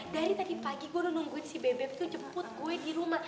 dari tadi pagi gue nungguin si bebep itu jemput gue di rumah